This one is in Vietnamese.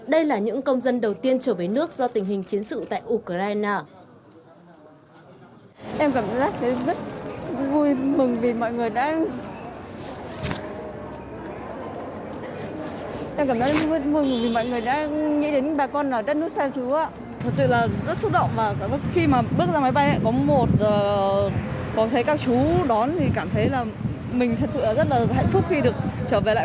đây là những công dân đầu tiên trở về nước do tình hình chiến sự tại ukraine